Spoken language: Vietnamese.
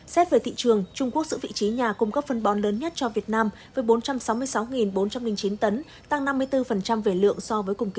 xét về thị trường trung quốc giữ vị trí nhà cung cấp phân bón lớn nhất cho việt nam với bốn trăm sáu mươi sáu bốn trăm linh chín tấn tăng năm mươi bốn về lượng so với cùng kỳ